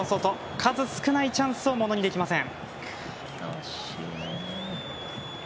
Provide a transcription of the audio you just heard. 数少ないチャンスを物にできません。